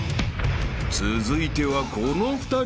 ［続いてはこの２人］